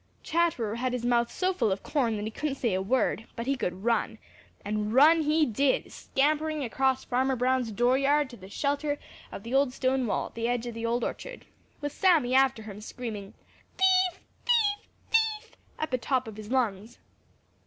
Chatterer had his mouth so full of corn that he couldn't say a word, but he could run; and run he did, scampering across Farmer Brown's dooryard to the shelter of the old stone wall at the edge of the Old Orchard with Sammy after him, screaming "Thief! thief! thief!" at the top of his lungs.